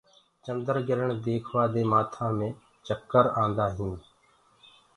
چنڊگِرڻ ديکوآ دي مآٿآ مي چڪر آندآ هينٚ۔